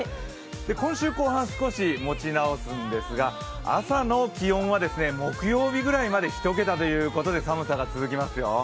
今週後半、少し持ち直すんですが朝の気温は木曜日くらいまで１桁ということで寒さが続きますよ。